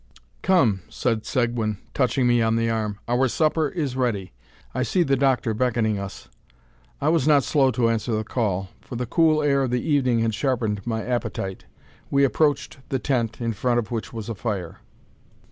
"Come," said Seguin, touching me on the arm, "our supper is ready; I see the doctor beckoning us." I was not slow to answer the call, for the cool air of the evening had sharpened my appetite. We approached the tent, in front of which was a fire.